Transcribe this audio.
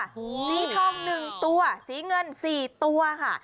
สีทองหนึ่งตัวสีเงินสี่ตัวค่ะ